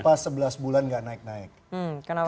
inilah menyebabkan kenapa sebelas bulan gak naik naik